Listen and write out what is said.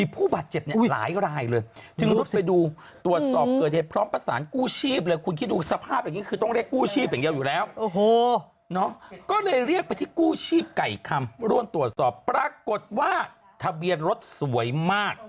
ไก่คำร่วมตรวจสอบปรากฏว่าทะเบียนรถสวยมาก